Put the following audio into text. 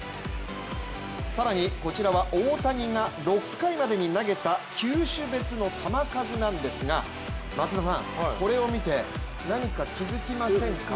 更にこちらは大谷が６回までに投げた球種別の球数なんですが松田さん、これを見て何か気づきませんか？